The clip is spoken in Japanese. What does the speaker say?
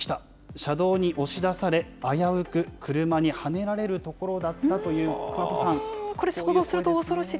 車道に押し出され、危うく車にはねられるところだったという、これ想像すると恐ろしい。